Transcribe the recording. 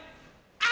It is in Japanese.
あ！